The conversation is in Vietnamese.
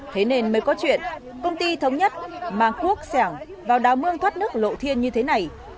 thế nên mới có chuyện công ty thống nhất mang quốc sẻng vào đào mương thoát nước lộ thiên như thế này